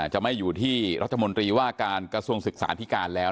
จะไม่อยู่ที่รัฐมนตรีว่าการกระทรวงศึกษาธิการแล้ว